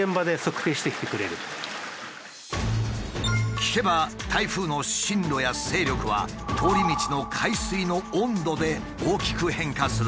聞けば台風の進路や勢力は通り道の海水の温度で大きく変化するという。